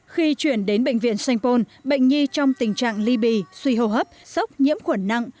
khi chuyển đến bệnh viện sanh pôn bệnh nhi trong tình trạng ly bì suy hô hấp sốc nhiễm khuẩn nặng